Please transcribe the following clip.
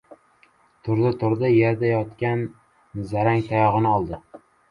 Turdi-turdi, yerda yotmish zarang tayog‘ini oldi.